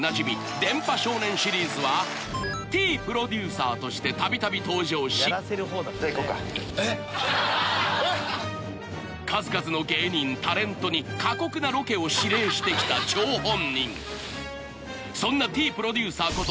『電波少年』シリーズはＴプロデューサーとしてたびたび登場し数々の芸人タレントに過酷なロケを指令して来た張本人そんなＴプロデューサーこと